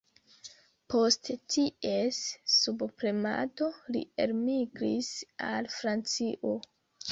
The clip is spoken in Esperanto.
Post ties subpremado, li elmigris al Francio.